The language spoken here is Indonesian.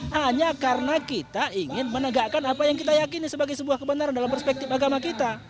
hanya karena kita ingin menegakkan apa yang kita yakini sebagai sebuah kebenaran dalam perspektif agama kita